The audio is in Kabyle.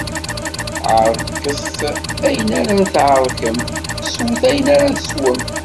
Ɛerket ayen ara tɛerkem, sewwet ayen ara tsewwem.